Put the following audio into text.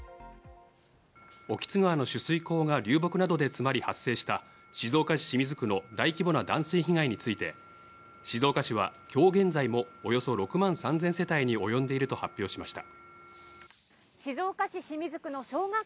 興津川の取水口が流木などでつまり発生した静岡市清水区の大規模な断水被害について、静岡市は今日現在もおよそ６万３０００世帯におよんでいると発表しました。